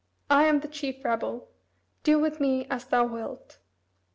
I am the chief rebel. Do with me as thou wilt."